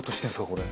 これ。